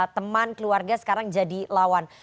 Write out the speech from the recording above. teman keluarga sekarang jadi lawan